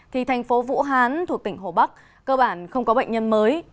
thì thành phố vũ hán thuộc tỉnh hồ bắc cơ bản không có bệnh nhân mới